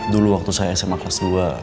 dulu waktu saya sma kelas dua